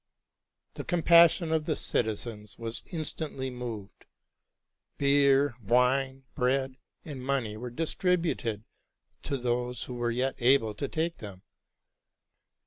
The compassion of the citizens was instantly moved. Beer, wine, bread, and money were distributed to those who were yet able to take them.